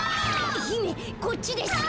ひめこっちです。